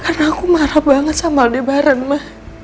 karena aku marah banget sama aldebaran ma